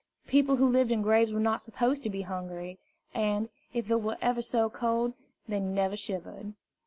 People who lived in graves were not supposed to be hungry; and, if it were ever so cold, they never shivered.